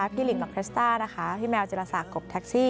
พี่หลิงลักเทสต้าพี่แมวจิราศาสตร์กบแท็กซี่